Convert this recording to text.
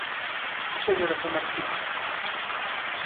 ¡Señora Samartiño!